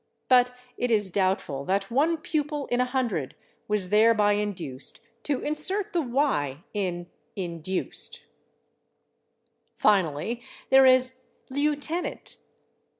But it is doubtful that one pupil in a hundred was thereby induced to insert the /y/ in /induced/. Finally there is /lieutenant